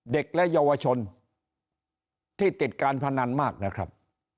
เด็กและเยาวชนที่ติดการพนันมากนะครับ